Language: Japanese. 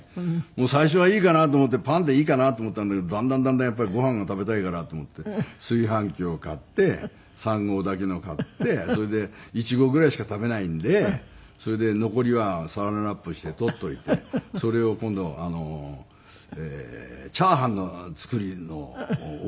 最初はいいかなと思ってパンでいいかなと思ったんだけどだんだんだんだんやっぱりご飯が食べたいからと思って炊飯器を買って３合炊きのを買ってそれで１合ぐらいしか食べないんでそれで残りはサランラップして取っておいてそれを今度あの炒飯を作るのを覚えて。